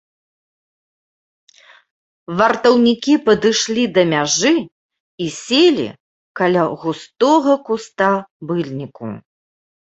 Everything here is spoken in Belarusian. Вартаўнікі падышлі да мяжы і селі каля густога куста быльніку.